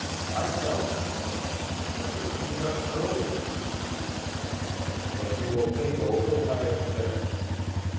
I doubt myself; I should have begun earlier." "But you will think over what I have said?"